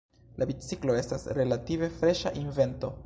La biciklo estas relative freŝa invento.